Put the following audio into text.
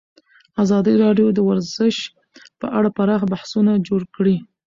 ازادي راډیو د ورزش په اړه پراخ بحثونه جوړ کړي.